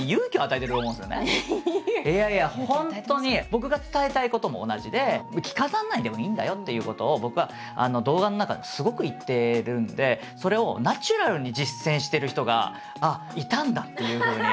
僕が伝えたいことも同じで着飾らないでもいいんだよということを僕は動画の中ですごく言ってるんでそれをナチュラルに実践してる人がああいたんだっていうふうに。